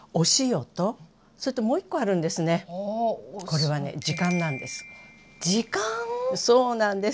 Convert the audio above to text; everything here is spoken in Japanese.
これはね時間⁉そうなんです。